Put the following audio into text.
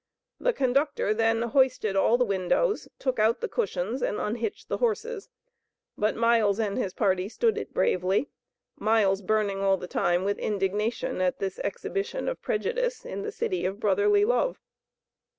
The conductor then hoisted all the windows, took out the cushions, and unhitched the horses. But Miles and his party stood it bravely; Miles burning all the time with indignation at this exhibition of prejudice in the city of Brotherly Love.